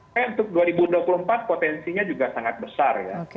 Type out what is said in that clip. karena untuk dua ribu dua puluh empat potensinya juga sangat besar ya